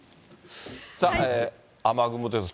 さあ、雨雲です。